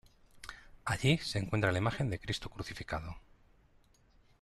Allí se encuentra la imagen de cristo crucificado.